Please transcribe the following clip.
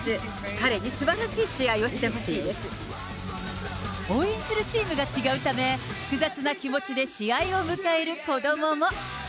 彼にすばらしい試合をしてほしい応援するチームが違うため、複雑な気持ちで試合を迎える子どもも。